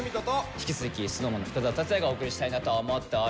引き続きＳｎｏｗＭａｎの深澤辰哉がお送りしたいなと思っております。